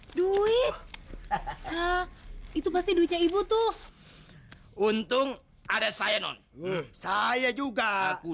duit itu pasti duitnya ibu tuh untung ada saya non saya juga aku